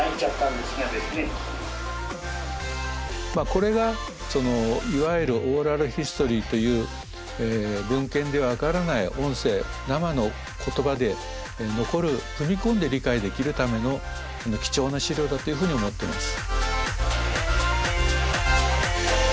これがいわゆるオーラルヒストリーという文献では分からない音声生の言葉で残る踏み込んで理解できるための貴重な史料だというふうに思ってます。